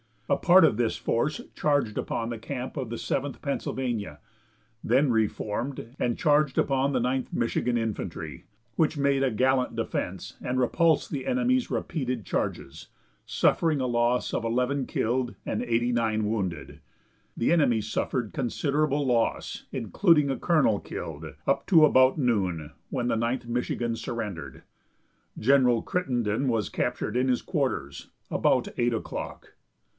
A part of this force charged upon the camp of the Seventh Pennsylvania, then reformed, and charged upon the Ninth Michigan Infantry, which made a gallant defense and repulsed the enemy's repeated charges, suffering a loss of eleven killed and eighty nine wounded. The enemy suffered considerable loss, including a colonel killed, up to about noon, when the Ninth Michigan surrendered. General Crittenden was captured in his quarters, about eight o'clock.